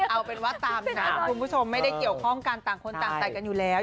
เอาเป็นว่าตามนั้นคุณผู้ชมไม่ได้เกี่ยวข้องกันต่างคนต่างใส่กันอยู่แล้ว